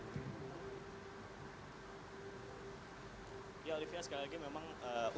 kenapa ketualaf tanpa bukti